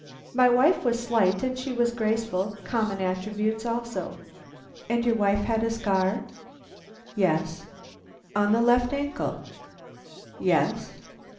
"My wife was slight and she was graceful, common attributes also." "And your wife had a scar?" "Yes." "On the left ankle?" "Yes."